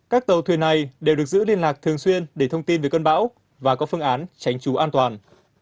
các tàu thuyền này đều được giữ liên lạc thường xuyên để thông tin về cơn bão và có phương án tránh trú an toàn